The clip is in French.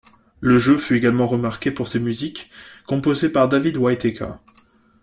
Le jeu fut également remarqué pour ses musiques, composées par David Whittaker.